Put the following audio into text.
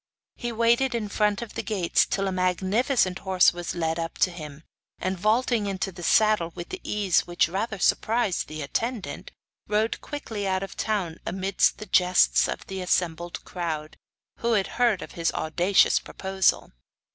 He waited in front of the gates till a magnificent horse was led up to him, and vaulting into the saddle with an ease which rather surprised the attendant, rode quickly out of the town amidst the jests of the assembled crowd, who had heard of his audacious proposal.